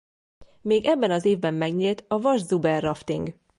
Még ebben az évben megnyílt a Waschzuber-rafting.